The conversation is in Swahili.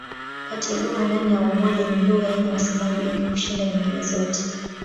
Kati ya lugha ndani ya Umoja ni lugha yenye wasemaji wengi kushinda nyingine zote.